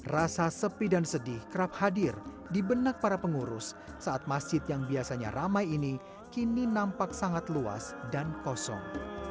rasa sepi dan sedih kerap hadir di benak para pengurus saat masjid yang biasanya ramai ini kini nampak sangat luas dan kosong